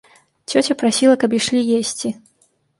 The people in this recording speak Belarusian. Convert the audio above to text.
Цёця прасіла, каб ішлі есці.